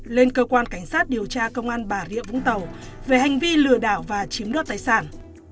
lên cơ quan cảnh sát điều tra công an bà rịa vũng tàu về hành vi lừa đảo và chiếm đoạt tài sản